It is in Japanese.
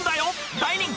大人気！